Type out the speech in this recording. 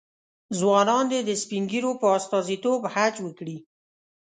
ځوانان دې د سپین ږیرو په استازیتوب حج وکړي.